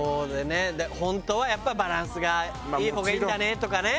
本当はやっぱバランスがいい方がいいんだねとかね。